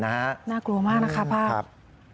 น่ากลัวมากนะคะภาพ